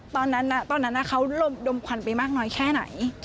ตอนนั้นเขาดมควันไปมากน้อยแค่ไหน